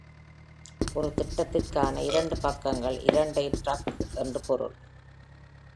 ஒரு திட்டத்திற்கான இரண்டு பக்கங்கள் இரட்டை டிரக் என்று பொருள்.